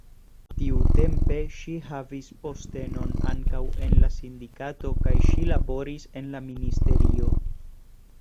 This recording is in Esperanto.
Tiutempe ŝi havis postenon ankaŭ en la sindikato kaj ŝi laboris en la ministerio.